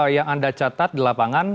yang anda catat di lapangan